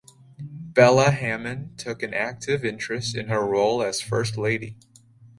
Bella Hammond took an active interest in her role as first lady.